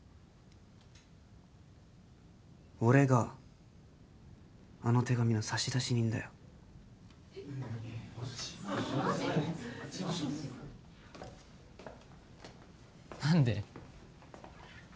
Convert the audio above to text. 俺があの手紙の差出人だよ何で？